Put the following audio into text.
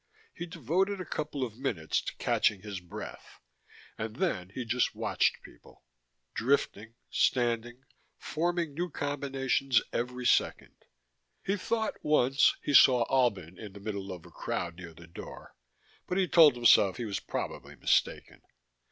He devoted a couple of minutes to catching his breath, and then he just watched people, drifting, standing, forming new combinations every second. He thought (once) he saw Albin in the middle of a crowd near the door, but he told himself he was probably mistaken.